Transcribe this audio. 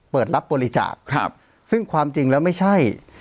เปิดรับบริจาคซึ่งความจริงแล้วไม่ใช่